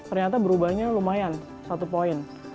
ternyata berubahnya lumayan satu poin